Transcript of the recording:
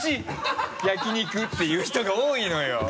焼き肉っていう人が多いのよ。